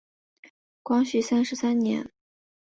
光绪三十三年。